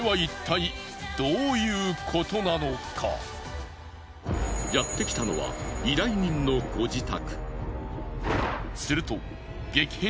これはやってきたのは依頼人のご自宅。